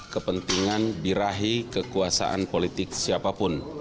kepentingan dirahi kekuasaan politik siapapun